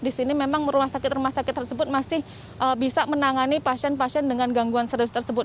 di sini memang rumah sakit rumah sakit tersebut masih bisa menangani pasien pasien dengan gangguan serius tersebut